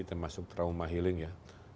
termasuk trauma healing ya